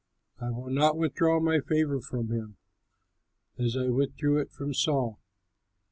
I will not withdraw my favor from him as I withdrew it from Saul.